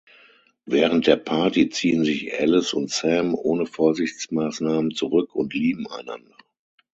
Während der Party ziehen sich Alice und Sam ohne Vorsichtsmaßnahmen zurück und lieben einander.